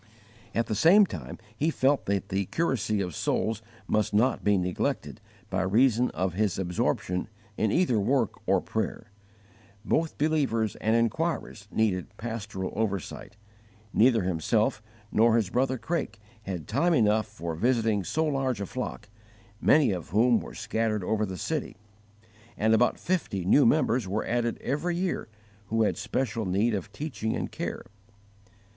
At the same time he felt that the curacy of souls must not be neglected by reason of his absorption in either work or prayer. Both believers and inquirers needed pastoral oversight; neither himself nor his brother Craik had time enough for visiting so large a flock, many of whom were scattered over the city; and about fifty new members were added every year who had special need of teaching and care.